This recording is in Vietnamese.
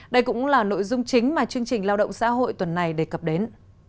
đây cũng là nội dung chính mà chương trình lao động xã hội tuần này đề cập đến